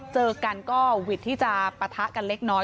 เจอกันก็หวิดที่จะปะทะกันเล็กน้อย